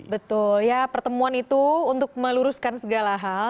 betul ya pertemuan itu untuk meluruskan segala hal